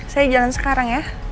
saya jalan sekarang ya